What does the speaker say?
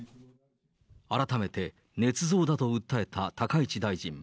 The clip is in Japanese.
改めてねつ造だと訴えた高市大臣。